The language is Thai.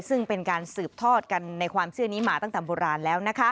ซึ่งเป็นการสืบทอดกันในความเชื่อนี้มาตั้งแต่โบราณแล้ว